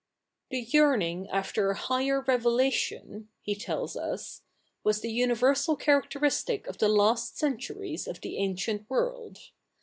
" The yearning after a higher revelation,''^ he tells us, ^^ was the universal characteristic of the last ce?ituries of the ancient world.